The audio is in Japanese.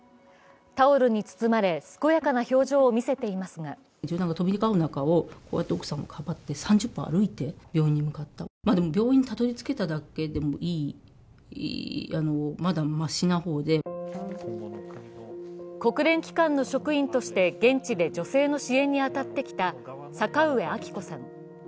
タオルに包まれ、健やかな表情を見せていますが国連機関の職員として現地で女性の支援に当たってきた阪上晶子さん。